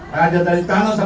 raja tanah selatan